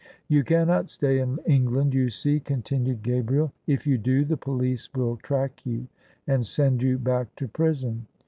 " "You cannot stay in England, you see," continued Ga briel :" if you do the police will track you, and send you back to prison.